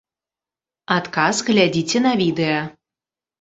Адказ глядзіце на відэа.